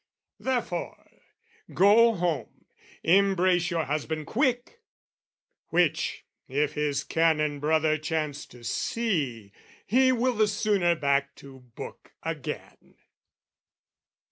"Therefore go home, embrace your husband quick! "Which if his Canon brother chance to see, "He will the sooner back to book again."